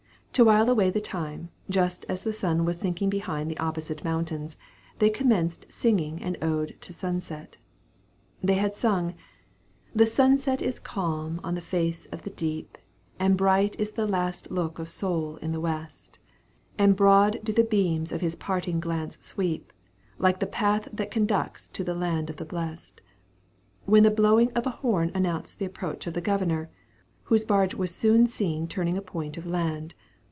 To while away the time, just as the sun was sinking behind the opposite mountains, they commenced singing an ode to sunset. They had sung, "The sunset is calm on the face of the deep, And bright is the last look of Sol in the west; And broad do the beams of his parting glance sweep, Like the path that conducts to the land of the blest," when the blowing of a horn announced the approach of the Governor, whose barge was soon seen turning a point of land.